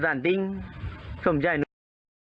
การตามดิ่ง